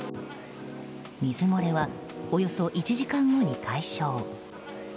水漏れは、およそ１時間後に解消。